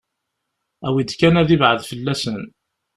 Awi-d kan ad ibɛed fell-asen.